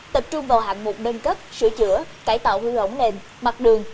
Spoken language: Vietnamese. tập trung vào hạng mục nâng cấp sửa chữa cải tạo hương ổng nền mặt đường